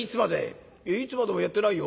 「いつまでもやってないよ。